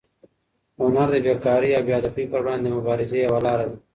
هنر د بېکارۍ او بې هدفۍ پر وړاندې د مبارزې یوه لاره ده.